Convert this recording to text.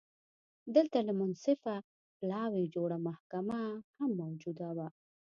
دلته له منصفه پلاوي جوړه محکمه هم موجوده وه